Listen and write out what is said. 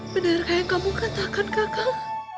benarkah yang kamu katakan gagal